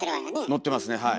のってますねはい。